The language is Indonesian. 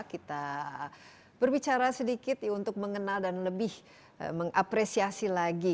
kita berbicara sedikit untuk mengenal dan lebih mengapresiasi lagi